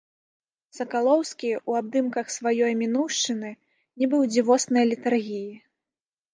Сакалоўскі ў абдымках сваёй мінуўшчыны, нібы ў дзівоснай летаргіі.